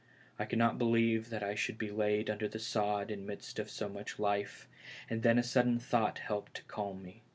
I could not believe that I should be laid under the sod in the midst of so much life, and then a sudden thought helped to calm me.